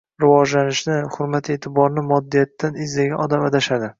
Rivojlanishni, hurmat-e’tiborni moddiyatdan izlagan odam adashadi.